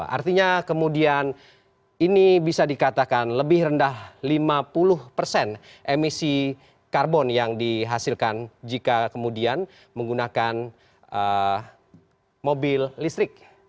artinya kemudian ini bisa dikatakan lebih rendah lima puluh persen emisi karbon yang dihasilkan jika kemudian menggunakan mobil listrik